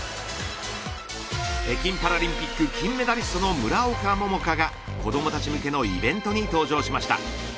北京パラリンピック金メダリストの村岡桃佳が子どもたち向けのイベントに登場しました。